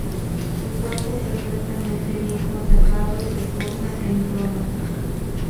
Su cuerpo perfectamente bien conservado reposa en Roma.